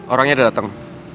orangnya udah dateng